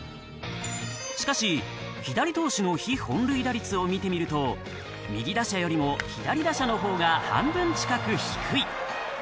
しかし左投手の被本塁打率を見ると、右打者よりも左打者のほうが半分近く低い。